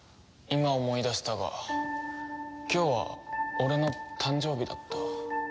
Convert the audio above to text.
今思い出したが今日は俺の誕生日だった。